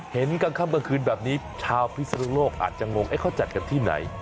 เห็นกลางค่ำกลางคืนแบบนี้ชาวพิศนุโลกอาจจะงงเขาจัดกันที่ไหน